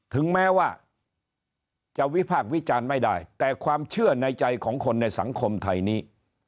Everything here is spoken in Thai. ถึงแม้ว่าจะวิพากษ์วิจารณ์ไม่ได้แต่ความเชื่อในใจของคนในสังคมไทยนี้